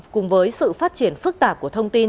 cùng với sự phát triển phức tạp của thông tin